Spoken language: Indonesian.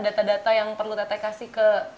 data data yang perlu tete kasih ke